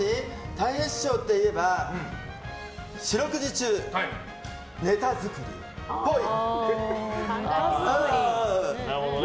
たい平師匠といえば四六時中ネタ作りっぽい。